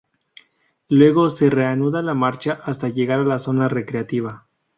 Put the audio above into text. Luego, se reanuda la marcha hasta llegar a la zona recreativa.